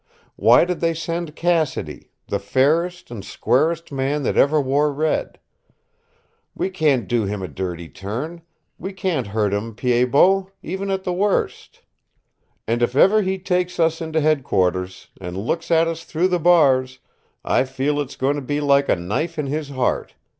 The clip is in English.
Why did they send Cassidy the fairest and squarest man that ever wore red? We can't do him a dirty turn we can't hurt him, Pied Bot, even at the worst. And if ever he takes us in to Headquarters, and looks at us through the bars, I feel it's going to be like a knife in his heart.